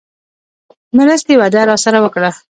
مرستې وعده راسره وکړه.